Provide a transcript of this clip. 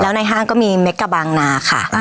แล้วในห้างก็มีเม็กกะบางนาค่ะ